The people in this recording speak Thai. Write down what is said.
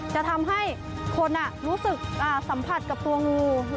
จะทำให้คนรู้สึกสัมผัสกับตัวงู